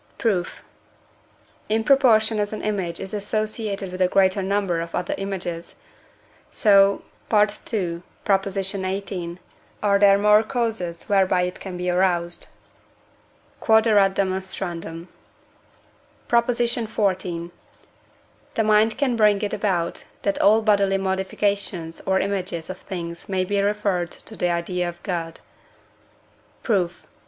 Proof. In proportion as an image is associated with a greater number of other images, so (II. xviii.) are there more causes whereby it can be aroused. Q.E.D. PROP. XIV. The mind can bring it about, that all bodily modifications or images of things may be referred to the idea of God. Proof.